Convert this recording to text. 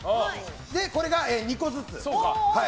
これが２個ずつ。